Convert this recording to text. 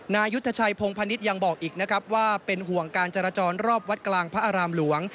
นายุทธชัยพงพนิษฐ์ยังบอกอีกนะครับว่าเป็นห่วงการจราจรรอบวัดกลางพระอารามหลวง